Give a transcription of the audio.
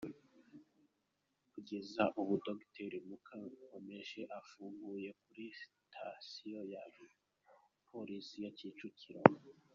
Kugeza ubu Dr Mukankomeje afungiye kuri sitasiyo ya Polisi ya Kicukiro.